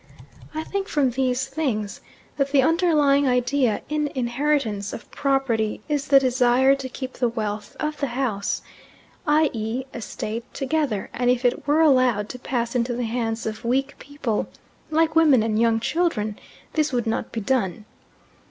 I think, from these things, that the underlying idea in inheritance of property is the desire to keep the wealth of "the house," i.e. estate, together, and if it were allowed to pass into the hands of weak people, like women and young children, this would not be done.